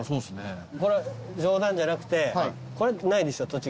これ冗談じゃなくてこれないでしょ